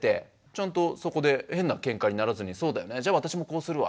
ちゃんとそこで変なケンカにならずに「そうだよねじゃあ私もこうするわ。